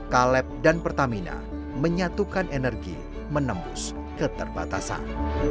kaleb itu tuh bisa menjadi harapan untuk teman teman